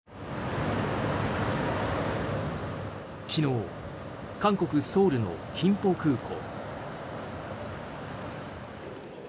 昨日、韓国ソウルの金浦空港。